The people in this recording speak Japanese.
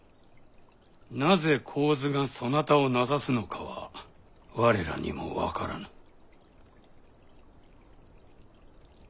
なぜ神頭がそなたを名指すのかは我らにも分からぬ。